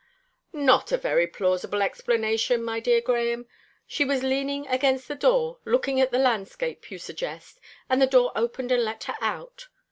"Not a very plausible explanation, my dear Grahame. She was leaning against the door, looking out at the landscape, you suggest, and the door opened and let her out.